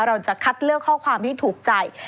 เราจะคัดเลือกข้อความที่ถูกใจ